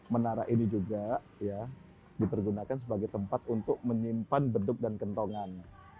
menara ini juga dipergunakan sebagai tempat untuk menyimpan beduk dan kentongan